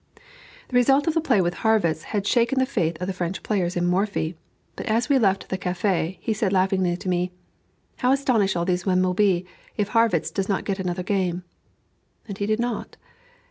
The result of the play with Harrwitz had shaken the faith of the French players in Morphy. But as we left the café, he said laughingly to me, "How astonished all these men will be if Harrwitz does not get another game." And he did not.